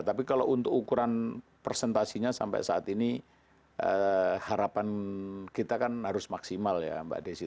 tapi kalau untuk ukuran presentasinya sampai saat ini harapan kita kan harus maksimal ya mbak desi